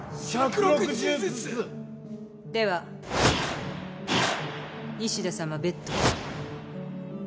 では西田さまベットを。